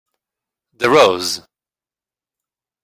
The Rose